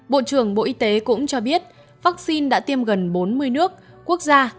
bộ trưởng bộ y tế cũng cho biết vaccine đã tiêm gần bốn mươi nước quốc gia